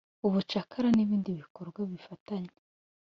ubucakara n’ibindi bikorwa bifitanye